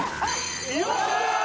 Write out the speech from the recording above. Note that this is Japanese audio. よっしゃー！